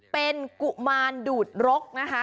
เป็นกุมาดูดรกนะคะ